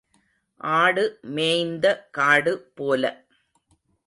ஆடு மேய்ந்த காடு போல.